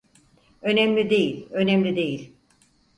Önemli değil, önemli değil.